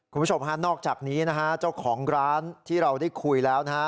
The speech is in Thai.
คุณผู้ชมฮะนอกจากนี้นะฮะเจ้าของร้านที่เราได้คุยแล้วนะฮะ